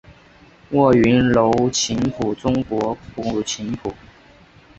卧云楼琴谱中国古琴谱。